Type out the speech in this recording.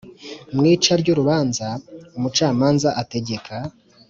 Mu ica ry urubanza umucamanza ategeka